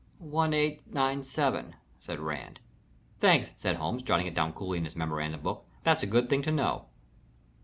"One eight nine seven," said Rand. "Thanks," said Holmes, jotting it down coolly in his memorandum book. "That's a good thing to know."